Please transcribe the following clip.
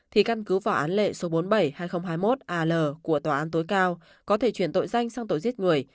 thì căn cứ vào án lệ số bốn mươi bảy hai nghìn hai mươi một al của tòa án tối cao có thể chuyển tội danh sang tội giết người